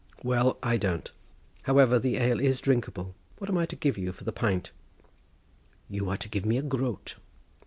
"Well, I don't. However, the ale is drinkable. What am I to give you for the pint?" "You are to give me a groat."